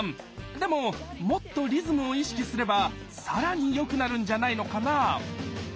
でももっとリズムを意識すれば更に良くなるんじゃないのかな？